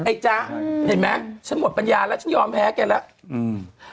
จ๊ะเห็นไหมฉันหมดปัญญาแล้วฉันยอมแพ้แกแล้วอืม